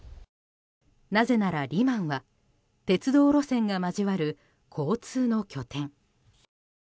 なぜなら、リマンは鉄道路線が交わる交通の拠点。